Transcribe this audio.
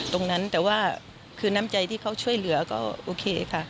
ตรงนั้นแต่ว่าคือน้ำใจที่เขาช่วยเหลือก็โอเคค่ะ